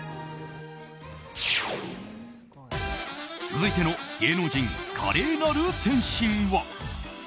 続いての芸能人華麗なる転身は。